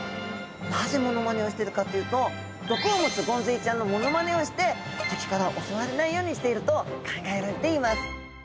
なぜモノマネをしてるかというと毒を持つゴンズイちゃんのモノマネをして敵から襲われないようにしていると考えられています。